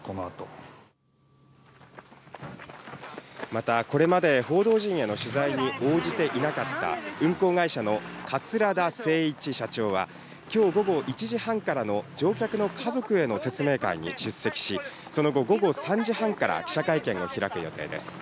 また、これまで報道陣への取材に応じていなかった運航会社の桂田精一社長は今日午後１時半からの乗客の家族への説明会に出席し、その後、午後３時半から記者会見を開く予定です。